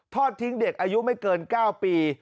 ทอดทิ้งเด็กอายุไม่เกิน๙ปี